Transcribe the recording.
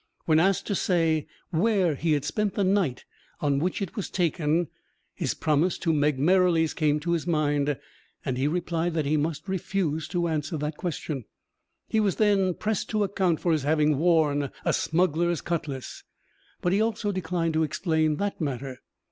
When asked to say where he had spent the night on which it was taken, his promise to Meg Merrilies came to his mind, and he replied that he must refuse to answer the question. He was then pressed to account for his having worn a smuggler's cutlass; but he also declined to explain that matter.